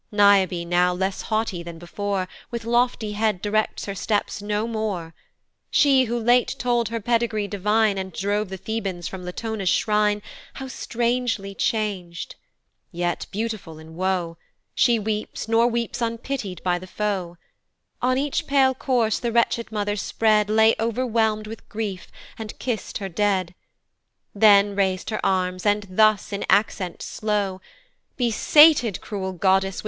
Niobe now, less haughty than before, With lofty head directs her steps no more She, who late told her pedigree divine, And drove the Thebans from Latona's shrine, How strangely chang'd! yet beautiful in woe, She weeps, nor weeps unpity'd by the foe. On each pale corse the wretched mother spread Lay overwhelm'd with grief, and kiss'd her dead, Then rais'd her arms, and thus, in accents slow, "Be sated cruel Goddess!